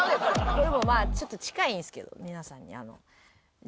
これもちょっと近いんですけど皆さんに。